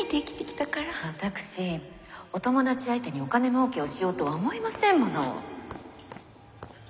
私お友達相手にお金もうけをしようとは思いませんもの。